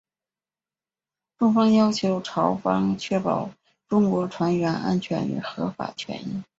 中方要求朝方确保中国船员安全与合法权益。